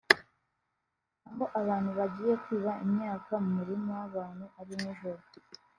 aho abantu bagiye kwiba imyaka mu murima w’umuntu ari nijoro